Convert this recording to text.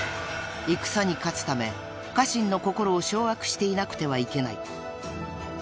［戦に勝つため家臣の心を掌握していなくてはいけない］